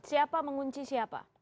siapa mengunci siapa